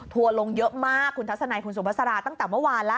ถั่วลงเยอะมากคุณทัศนัยคุณสวบสราตั้งแต่เมื่อวานละ